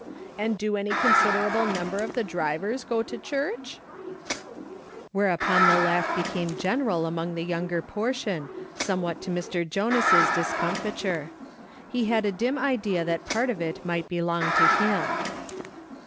And do any considerable number of the drivers go to church ?" Whereupon the laugh became general among the younger portion, somewhat to Mr. Jonas' discomfi ture ; he had a dim idea that part of it might belong to liim.